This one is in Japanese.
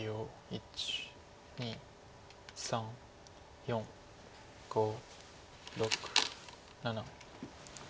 １２３４５６７。